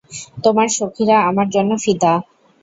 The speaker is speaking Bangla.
তোমার সখিরা আমার জন্য ফিদা।